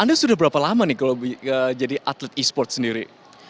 anda sudah berapa lama nih kalau jadi atlet e sports sendiri